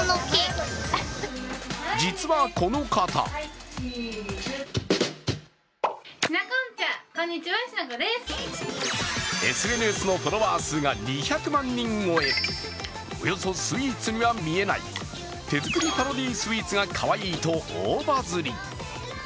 実はこの方ＳＮＳのフォロワー数が２００万人超えおよそスイーツに見えない手作りスイーツがかわいいと大バズリ。